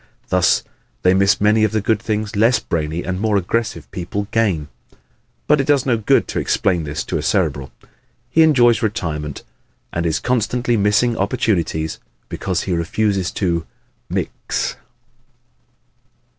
Thus they miss many of the good things less brainy and more aggressive people gain. But it does no good to explain this to a Cerebral. He enjoys retirement and is constantly missing opportunities because he refuses to "mix."